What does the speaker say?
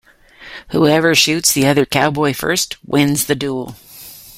Whoever shoots the other cowboy first wins the duel.